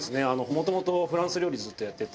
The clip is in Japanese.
もともとフランス料理ずっとやってて。